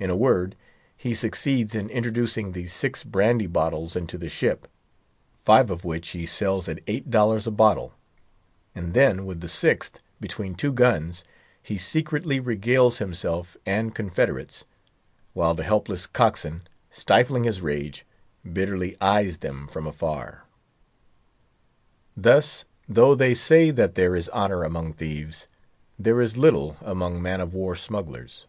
In a word, he succeeds in introducing the six brandy bottles into the ship; five of which he sells at eight dollars a bottle; and then, with the sixth, between two guns, he secretly regales himself and confederates; while the helpless cockswain, stifling his rage, bitterly eyes them from afar. Thus, though they say that there is honour among thieves, there is little among man of war smugglers.